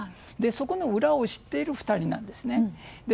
その裏を知っている２人なんです。